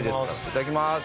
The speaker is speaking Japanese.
いただきます！